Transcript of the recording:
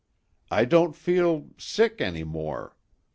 "I don't feel sick any more.